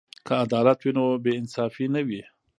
که عدالت وي نو بې انصافي نه وي.